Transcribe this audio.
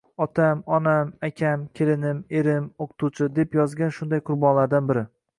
Otam, onam, akam, kelinim, erim o'qituvchi, deb yozgan shunday qurbonlardan biri